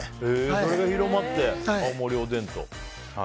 それで広まって青森おでんと。